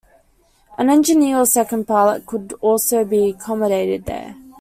An engineer or second pilot could also be accommodated there.